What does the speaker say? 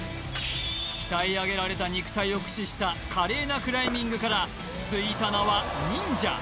鍛え上げられた肉体を駆使した華麗なクライミングからついた名はＮｉｎｊａ